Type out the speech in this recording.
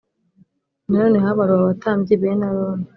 Nanone habaruwe abatambyi bene Aroni